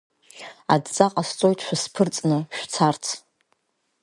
Адҵа ҟасҵоит шәысԥырҵны шәцарц!